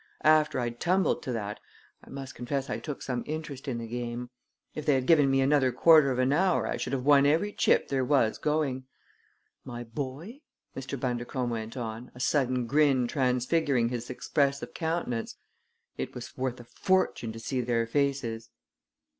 After I'd tumbled to that I must confess I took some interest in the game. If they had given me another quarter of an hour I should have won every chip there was going. My boy," Mr. Bundercombe went on, a sudden grin transfiguring his expressive countenance, "it was worth a fortune to see their faces!